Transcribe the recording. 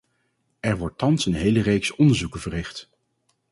Er wordt thans een hele reeks onderzoeken verricht.